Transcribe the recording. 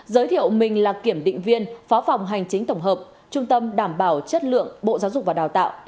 giới thiệu mình là kiểm định viên phó phòng hành chính tổng hợp trung tâm đảm bảo chất lượng bộ giáo dục và đào tạo